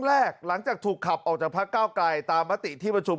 แรกหลังจากถูกขับออกจากพักเก้าไกลตามมติที่ประชุม